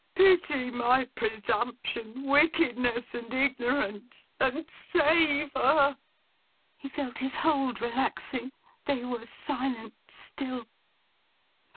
Pity my presumption, wickedness, and ignorance, and save her.' He felt his hold relaxing. They were silent still.